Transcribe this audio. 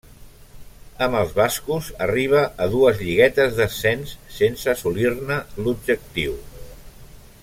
Amb els bascos arriba a dues lliguetes d'ascens, sense assolir-ne l'objectiu.